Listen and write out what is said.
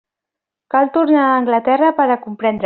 Cal tornar a Anglaterra per a comprendre-ho.